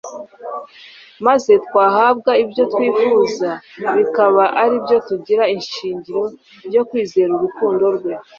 maze twahabwa ibyo twifuza bikaba ari byo tugira ishingiro ryo kwizera urukundo rwe.